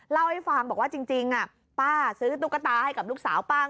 เล่าให้ฟังบอกว่าจริงป้าซื้อตุ๊กตาให้กับลูกสาวป้าง